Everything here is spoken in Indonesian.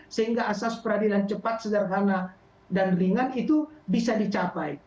sehingga asas peradilan cepat sederhana dan ringan itu bisa dicapai